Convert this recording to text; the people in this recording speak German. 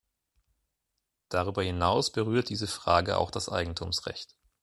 Darüber hinaus berührt diese Frage auch das Eigentumsrecht.